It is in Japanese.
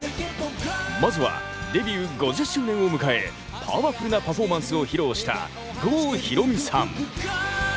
まずはデビュー５０周年を迎えパワフルなパフォーマンスを披露した郷ひろみさん。